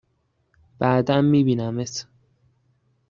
بعدا می بینمت!